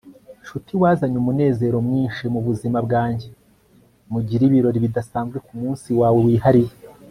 nshuti, wazanye umunezero mwinshi mubuzima bwanjye. mugire ibirori bidasanzwe kumunsi wawe wihariye